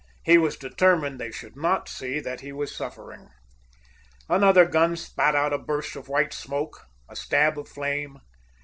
He was determined they should not see that he was suffering. Another gun spat out a burst of white smoke, a stab of flame.